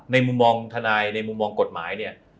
มุมมองทนายในมุมมองกฎหมายเนี่ย